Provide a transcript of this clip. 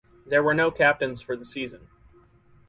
There were no captains for the season.